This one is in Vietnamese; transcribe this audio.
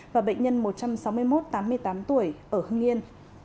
và bệnh nhân một trăm sáu mươi một tám mươi tám tuổi ở hưng yên